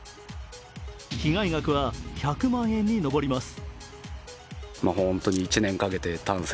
被害額は１００万円にのぼります。